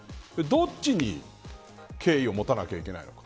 どっちに敬意を持たないといけないのか。